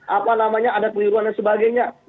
apa namanya ada keliruan dan sebagainya